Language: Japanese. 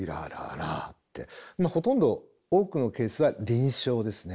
ほとんど多くのケースは輪唱ですね。